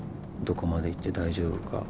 どこまで言って大丈夫か。